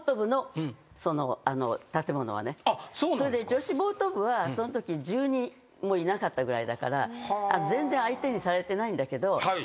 それで女子ボート部はそのとき１０人もいなかったぐらいだから全然相手にされてないんだけど。